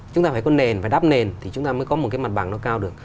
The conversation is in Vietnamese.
chúng ta phải có nền và đắp nền thì chúng ta mới có một cái mặt bằng nó cao được